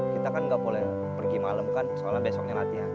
kita kan nggak boleh pergi malam kan soalnya besoknya latihan